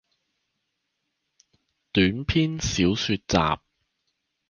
短篇小說集